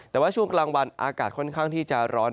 แต่ว่าช่วงกลางวันอากาศค่อนข้างที่จะร้อน